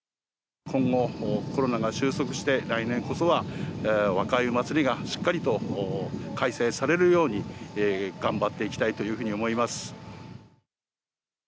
今後、コロナが収束して来年こそは若鮎まつりがしっかりと開催されるように頑張っていきたいというふうに思います。